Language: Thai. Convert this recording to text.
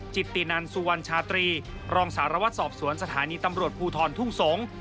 จิตตินันสุวรรณชาตรีรองสารวัตรสอบสวนสถานีตำรวจภูทรทุ่งสงศ์